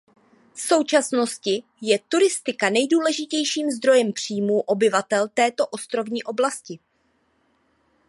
V současnosti je turistika nejdůležitějším zdrojem příjmů obyvatel této ostrovní oblasti.